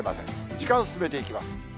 時間進めていきます。